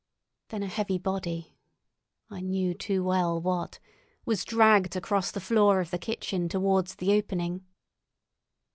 Then a heavy body—I knew too well what—was dragged across the floor of the kitchen towards the opening.